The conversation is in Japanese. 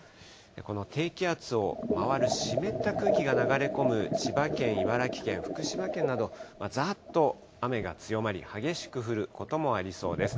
この低気圧を回る湿った空気が流れ込む千葉県、茨城県、福島県など、ざっと雨が強まり、激しく降ることもありそうです。